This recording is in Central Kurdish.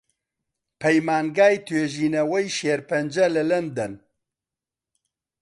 پەیمانگای توێژینەوەی شێرپەنجە لە لەندەن